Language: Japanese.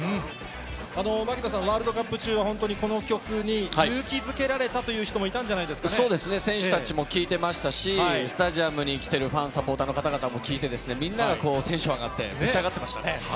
槙野さん、ワールドカップ中は、本当にこの曲に勇気づけられたという人もいそうですね、選手たちも聴いてましたし、スタジアムに来てるファン、サポーターの方々も聴いてですね、みんながテンション上がって、ぶち上がってましたね。